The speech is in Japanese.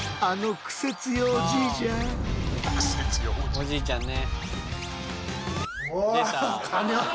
おじいちゃんね。